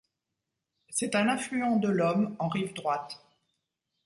C'est un affluent de l'Om en rive droite.